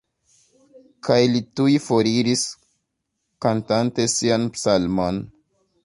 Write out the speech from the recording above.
Kaj li tuj foriris, kantante sian psalmon.